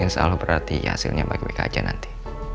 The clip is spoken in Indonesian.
insya allah berarti hasilnya baik baik aja nanti